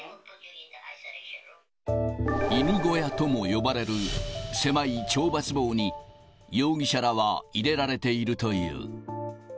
犬小屋とも呼ばれる、狭い懲罰房に、容疑者らは入れられているという。